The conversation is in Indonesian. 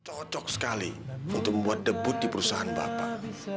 cocok sekali untuk membuat debut di perusahaan bapak